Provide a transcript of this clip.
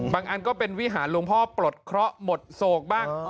อันก็เป็นวิหารหลวงพ่อปลดเคราะห์หมดโศกบ้าง